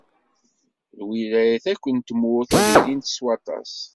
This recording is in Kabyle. Lwilayat akk n tmurt, ad ilint s waṭas.